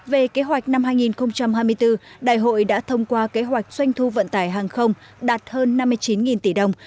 về kế hoạch năm hai nghìn hai mươi bốn đại hội đã thông qua kế hoạch doanh thu vận tải hàng không đạt hơn năm mươi chín tỷ đồng